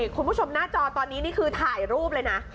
คุณผู้ชมหน้าจอตอนนี้นี่คือถ่ายรูปเลยนะ